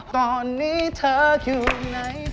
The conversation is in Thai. ตอนนี้เธออยู่ไหน